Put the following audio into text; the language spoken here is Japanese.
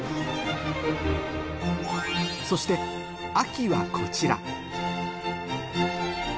そして「秋」はこちら